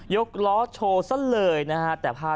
กล้อโชว์ซะเลยนะฮะ